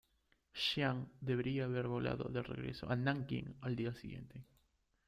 Chiang debía haber volado de regreso a Nankín al día siguiente.